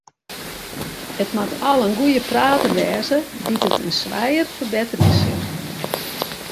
It moat al in goede prater wêze dy't it in swijer ferbetterje sil.